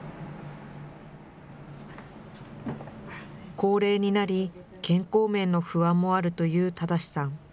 高齢になり、健康面の不安もあるという正さん。